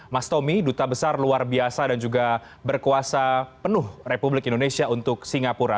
mas tommy duta besar luar biasa dan juga berkuasa penuh republik indonesia untuk singapura